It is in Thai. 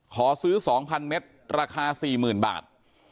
ขอซื้อ๒๐๐เมตรราคา๔๐๐๐บาท